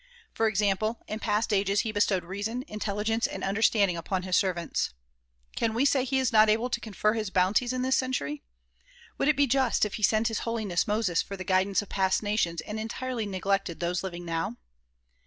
For example, in past ages he bestowed reason, intelligence and understanding upon his servants. Can we say he is not able to confer his bounties in this century ? Would it be just if he sent His Holiness Moses for the guidance of past nations and entirely neglected those living now?